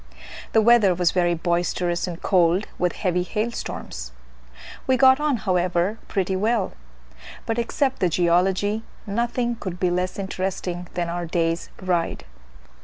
The weather was very boisterous and cold with heavy hail storms. We got on, however, pretty well but, except the geology, nothing could be less interesting than our day's ride.